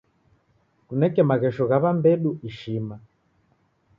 Kuneke maghesho gha w'ambedu ishima.